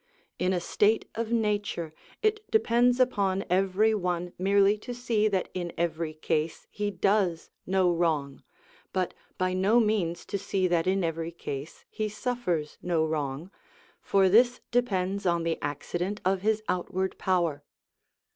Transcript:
In a state of nature it depends upon every one merely to see that in every case he does no wrong, but by no means to see that in every case he suffers no wrong, for this depends on the accident of his outward power.